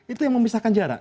itu yang memisahkan jarak